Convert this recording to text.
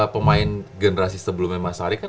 pemain generasi sebelumnya mas ari kan